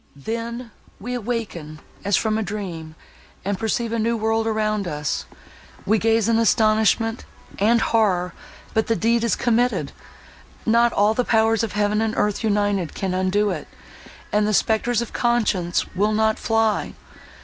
Then, we awaken as from a dream, and perceive a new world around us—we gaze in astonishment, and horror—but the deed is committed; not all the powers of heaven and earth united can undo it—and the spectres of conscience will not fly!